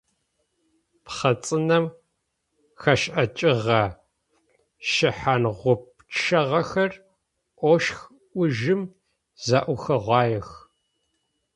Пхъэ цӏынэм хэшӏыкӏыгъэ шъхьэнгъупчъэхэр ощх ужым зэӏухыгъуаех.